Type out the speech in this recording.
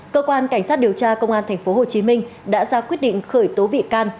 cơ quan cảnh sát điều tra công an tp hcm đã ra quyết định khởi tố bị can